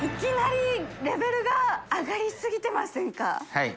はい。